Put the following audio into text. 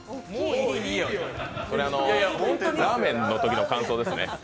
それはラーメンのときの感想ですね。